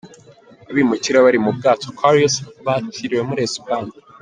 Abimukira bari mu bwato Aquarius bakiriwe muri Espagne.